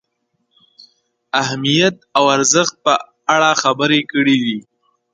اهمیت او ارزښت په اړه خبرې کړې دي.